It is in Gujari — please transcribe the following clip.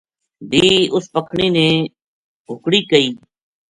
بھی اس پکھنی نے ہُکڑی کئی